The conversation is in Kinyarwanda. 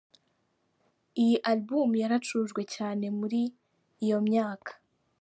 Iyi album yaracurujwe cyane muri iyo myaka.